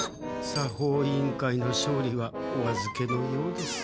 作法委員会の勝利はおあずけのようです。